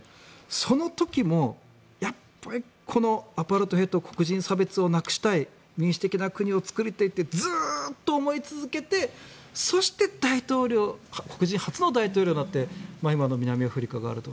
その時もアパルトヘイト黒人差別をなくしたい民主的な国を作りたいとずっと思い続けてそして、大統領黒人初の大統領になって今の南アフリカがあると。